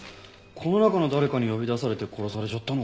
この中の誰かに呼び出されて殺されちゃったのかな？